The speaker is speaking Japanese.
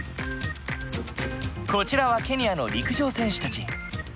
こちらはケニアの陸上選手たち。